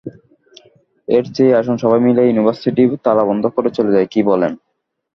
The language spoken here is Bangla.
এর চেয়ে আসুন, সবাই মিলে ইউনিভার্সিটি তালাবন্ধ করে চলে যাই, কী বলেন?